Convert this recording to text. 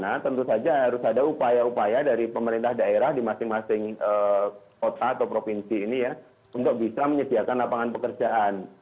nah tentu saja harus ada upaya upaya dari pemerintah daerah di masing masing kota atau provinsi ini ya untuk bisa menyediakan lapangan pekerjaan